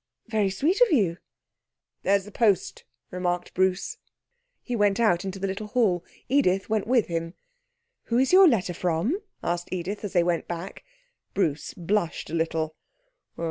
'Very sweet of you.' 'There's the post,' remarked Bruce. He went out into the little hall. Edith went with him. 'Who is your letter from?' asked Edith, as they went back. Bruce blushed a little.